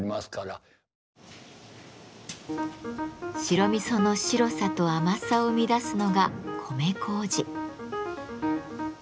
白味噌の白さと甘さを生み出すのが米麹。